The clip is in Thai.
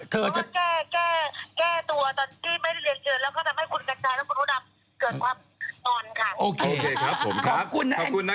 เธอจะแก้ตัวตอนที่ไม่ได้เรียนเกินแล้วก็ทำให้คุณแก่งใจและคุณพ่อดำเกิดความตอนค่ะ